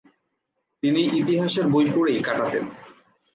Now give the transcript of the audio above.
তিনি ইতিহাসের বই পড়েই কাটাতেন।